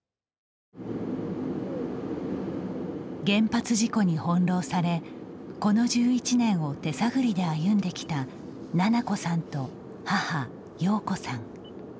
原発事故に翻弄されこの１１年を手探りで歩んできた菜々子さんと母・洋子さん。